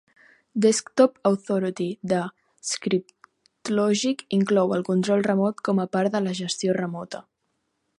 Desktop Authority de Scriptlogic inclou el control remot com a part de la gestió remota.